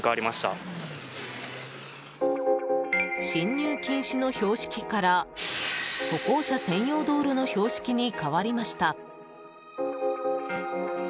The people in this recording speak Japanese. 進入禁止の標識から歩行者専用道路の標識に変わりました。